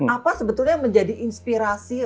apa sebetulnya yang menjadi inspirasi